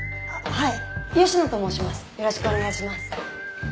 はい！